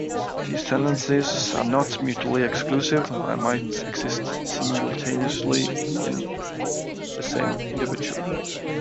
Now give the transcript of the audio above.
These tendencies are not mutually exclusive, and might exist simultaneously in the same individual.